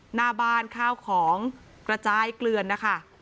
หน้าบ้านข้าวของกระจายเกลือนนะคะ